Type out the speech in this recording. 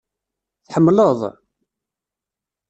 Tḥemmleḍ?